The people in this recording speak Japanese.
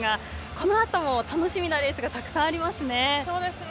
このあとも楽しみなレースがたくさんありますね。